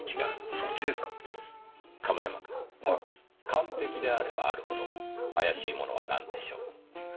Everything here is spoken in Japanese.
完璧であればあるほど怪しいものは何でしょう？